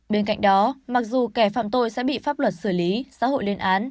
bên cạnh đó mặc dù kẻ phạm tội sẽ bị pháp luật xử lý xã hội lên án